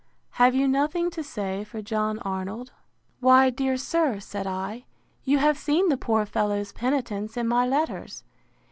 —Have you nothing to say for John Arnold? Why, dear sir, said I, you have seen the poor fellow's penitence in my letters.